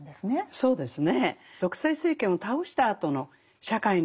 そうですね。